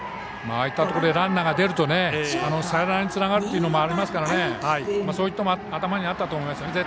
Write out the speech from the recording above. ああいったところでランナーが出るとサヨナラにつながるというのもありますからそういうことも頭にあったと思いますよ。